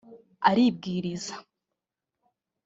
aribwiriza